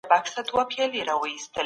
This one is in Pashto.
د ځوانانو ملاتړ د هېواد د بریا نښه ده.